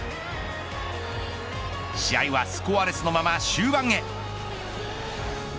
試合はスコアレスのまま終盤へ。